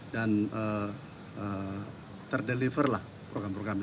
dan terdeliver lah program program itu